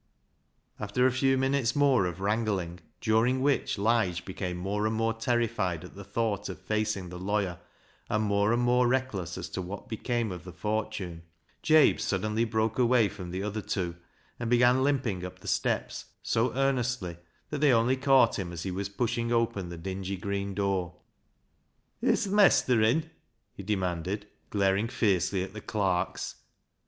After a few minutes more of wrangling, during which Lige became more and more terrified at the thought of facing the lawyer, and more and more reckless as to what became of the fortune, Jabe suddenly broke away from the other two, and began limping up the steps so earnestly that they^ only caught him as he was pushing open the dingy green door. " Is th' mestur in ?" he demanded, glaring fiercely at the clerks.